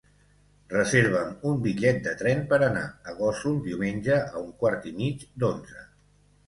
Reserva'm un bitllet de tren per anar a Gósol diumenge a un quart i mig d'onze.